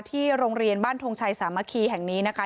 ที่โรงเรียนบ้านทงชัยสามัคคีแห่งนี้นะคะ